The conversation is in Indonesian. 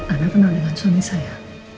anda kenal dengan suami saya